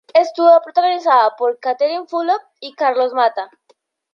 Estuvo protagonizada por Catherine Fulop y Carlos Mata.